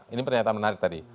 ini pernyataan menarik tadi